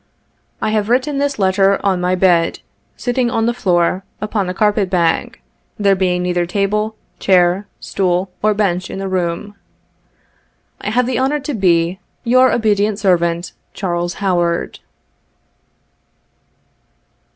1 have writ ten this letter on my bed, sitting on the floor, upon a carpet bag, there being neither table, chair, stool or bench in the room. " I have the honor to be " Your obedient servant, " CHARLES HOWARD."